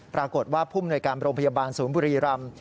ปรากฏว่าพุ่มหน่วยการโรงพยาบาลศูนย์บุรีรำ